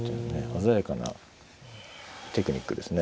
鮮やかなテクニックですね。